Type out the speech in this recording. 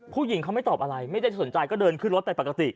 ผู้หญิงเขาไม่ตอบอะไรไม่ได้สนใจก็เดินขึ้นรถไปปกติ